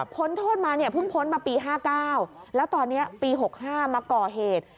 พ้นโทษมาพึ่งพ้นมาปี๑๙๕๙แล้วตอนนี้ปี๑๙๖๕มาก่อเหตุ